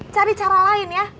cari cara lain ya